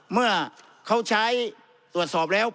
เมื่อเขาใช้ตรวจสอบแล้ว